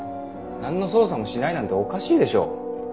なんの捜査もしないなんておかしいでしょ。